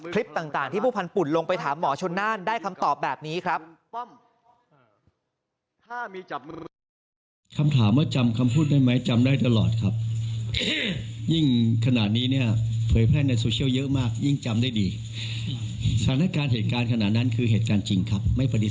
คลิปต่างที่ผู้พันธ์ปุ่นลงไปถามหมอชนน่านได้คำตอบแบบนี้ครับ